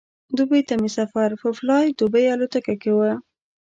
دوبۍ ته مې سفر په فلای دوبۍ الوتکه کې و.